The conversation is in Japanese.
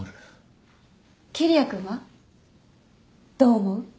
桐矢君は？どう思う？